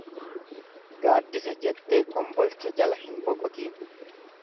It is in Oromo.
Gaaddisa jettee kombolcha jala hin boqotiin.